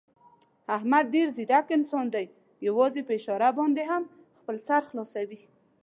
احمد ډېر ځیرک انسان دی، یووازې په اشاره باندې هم خپل سر خلاصوي.